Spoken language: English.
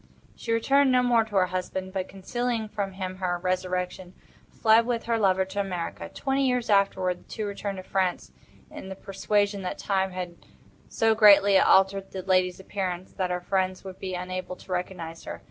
She returned no more to her husband, but, concealing from him her resurrection, fled with her lover to America. Twenty years afterward, the two returned to France, in the persuasion that time had so greatly altered the lady's appearance that her friends would be unable to recognize her.